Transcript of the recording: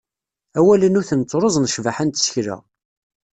Awalnuten ttruẓen ccbaḥa n tsekla.